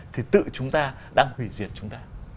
thì tự chúng ta đang hủy diệt chúng ta